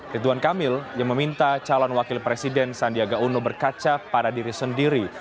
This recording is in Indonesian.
ridwan kamil yang meminta calon wakil presiden sandiaga uno berkaca pada diri sendiri